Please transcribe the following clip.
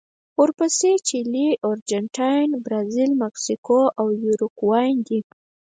ورپسې چیلي، ارجنټاین، برازیل، مکسیکو او یوروګوای دي.